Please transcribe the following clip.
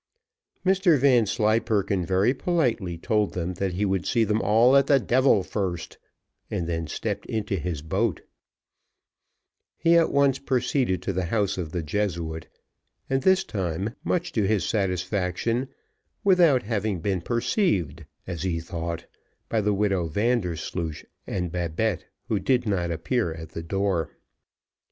Mr Vanslyperken very politely told them that he would see them all at the devil first, and then stepped into his boat; he at once proceeded to the house of the Jesuit, and this time, much to his satisfaction, without having been perceived, as he thought, by the widow Vandersloosh and Babette, who did not appear at the door.